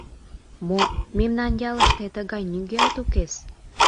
Мо, мемнан ялыште тыгай нигӧат укес?